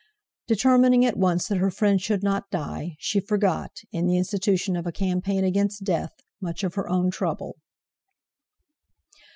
Determining at once that her friend should not die, she forgot, in the institution of a campaign against Death, much of her own trouble.